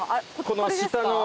この下の。